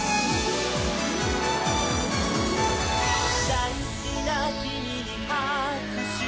「だいすきなキミにはくしゅ」